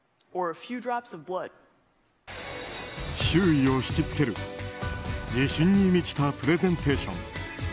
周囲を引き付ける自信に満ちたプレゼンテーション。